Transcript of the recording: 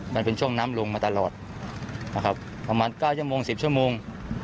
มันเป็นช่วงน้ำลงมาตลอดนะครับประมาณ๙ชั่วโมง๑๐ชั่วโมง